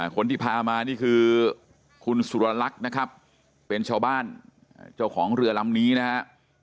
คนที่พามานี่คือคุณสุรลักษณ์นะครับเป็นชาวบ้านเจ้าของเรือลำนี้นะฮะ